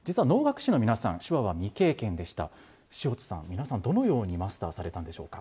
塩津さん、手話をどのようにマスターされたんでしょうか。